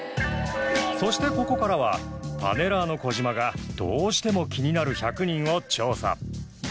そしてここからはパネラーの児嶋がどうしても気になる１００人を調査